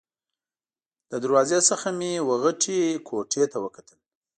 له دروازې څخه مې وه غټې کوټې ته وکتل.